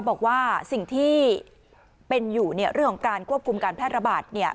บอกว่าสิ่งที่เป็นอยู่เนี่ยเรื่องของการควบคุมการแพทย์ระบาดเนี่ย